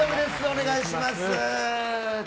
お願いします。